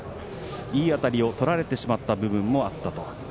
いい当たりをとられてしまった部分もあったと。